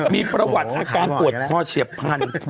มีประวัติอาการปวดคอเฉียบพันธุ